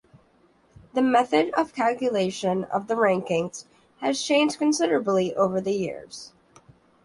The method of calculation of the rankings has changed considerably over the years.